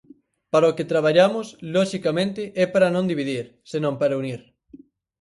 Para o que traballamos, loxicamente, é para non dividir, senón para unir.